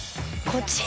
こっち？